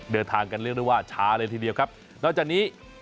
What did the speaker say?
เดินทางกันเรียกได้ว่าช้าเลยทีเดียวครับนอกจากนี้